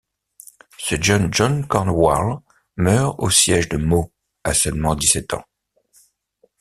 Ce jeune John Cornwall meurt au siège de Meaux, à seulement dix-sept ans.